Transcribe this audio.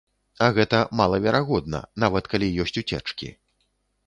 А гэта малаверагодна, нават калі ёсць уцечкі.